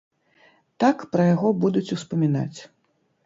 Так пра яго будуць успамінаць.